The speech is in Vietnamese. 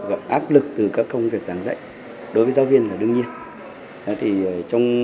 áp lực từ các công việc giảng dạy đối với giáo viên là đương nhiên